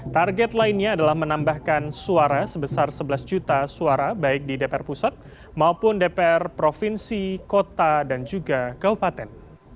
target lainnya adalah menambahkan suara sebesar sebelas juta suara baik di dpr pusat maupun dpr provinsi kota dan juga kabupaten